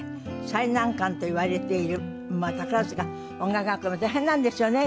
最難関といわれている宝塚音楽学校に大変なんですよね